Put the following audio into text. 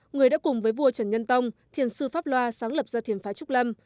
người đã cùng với vua trần nhân tông thiền sư pháp loa sáng lập ra thiền phá trúc lâm